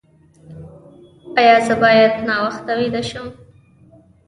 ایا زه باید ناوخته ویده شم؟